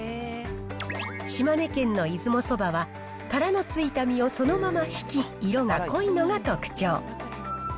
島根県の出雲そばは、殻のついた実をそのままひき、色が濃いのが特徴。